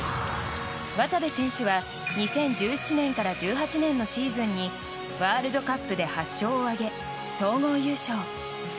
渡部選手は２０１７年から１８年のシーズンにワールドカップで８勝を挙げ総合優勝。